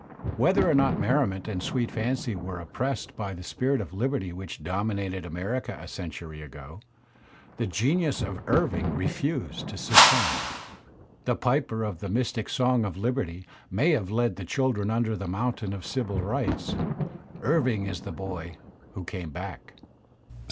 Whether or not merri ment and sweet f anpy were oppressed by the spirit of Kberty which dominated America a century ago, the genius of Irving refused to succumb. The piper of the mystic song of Liberty may have led the children under the mountain of Civil Rights; Irving is the boy who came back.